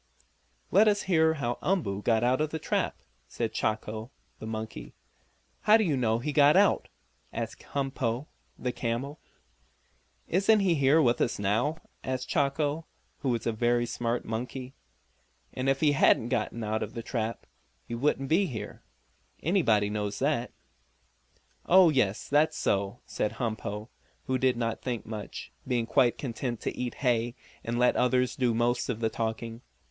"Let us hear how Umboo got out of the trap," said Chako, the monkey. "How do you know he got out?" asked Humpo, the camel. "Isn't he here with us now?" asked Chako, who was a very smart monkey. "And if he hadn't got out of the trap he wouldn't be here. Anybody knows that!" "Oh, yes; that's so," said Humpo, who did not think much, being quite content to eat hay, and let others do most of the talking.